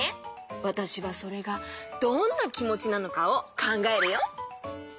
わたしはそれがどんなきもちなのかをかんがえるよ。